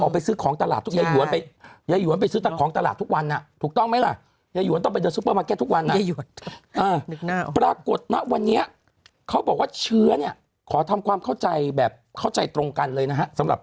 เพราะไม่เลิกเข้าไปไหนมา